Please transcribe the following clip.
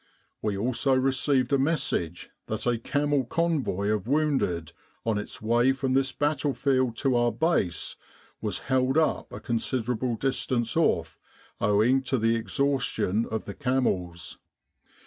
We also received a message that a camel convoy of wounded, on its way from this battlefield to our base, was held up a considerable distance off owing to the exhaustion of the camels.